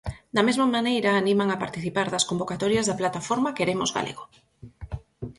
Da mesma maneira animan a participar das convocatorias da plataforma Queremos Galego.